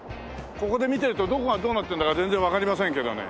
ここで見てるとどこがどうなってるんだか全然わかりませんけどね。